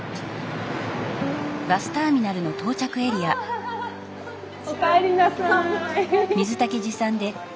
あっおかえりなさい。